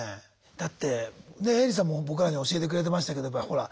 だってねえエリさんも僕らに教えてくれてましたけどほら